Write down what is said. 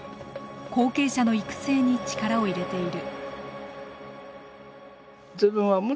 後継者の育成に力を入れている。